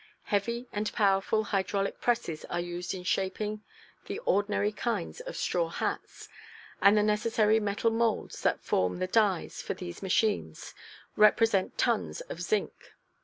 Heavy and powerful hydraulic presses are used in shaping the ordinary kinds of straw hats, and the necessary metal moulds that form the "dies" for these machines represent tons of zinc.